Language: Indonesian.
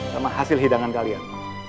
sama hasil hidangan kalian